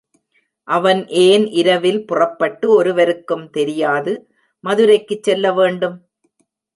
அவன் ஏன் இரவில் புறப்பட்டு ஒருவருக்கும் தெரியாது மதுரைக்குச் செல்ல வேண்டும்?